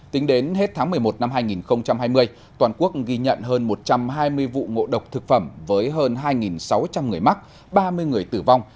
tính đến hết tháng một mươi một năm hai nghìn hai mươi toàn quốc ghi nhận hơn một trăm hai mươi vụ ngộ độc thực phẩm với hơn hai sáu trăm linh người mắc ba mươi người tử vong